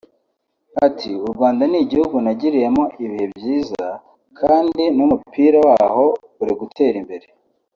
Ati “U Rwanda ni igihugu nagiriyemo ibihe byiza kandi n’umupira waho uri gutera imbere